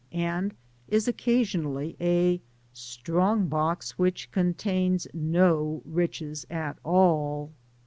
and is occasionally a strong box which contains no riches at all.